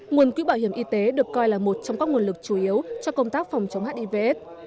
nguồn quỹ bảo hiểm y tế được coi là một trong các nguồn lực chủ yếu cho công tác phòng chống hivs